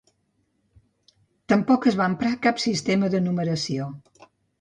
Tampoc es va emprar cap sistema de numeració.